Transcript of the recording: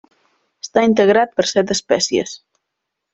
Està integrat per set espècies.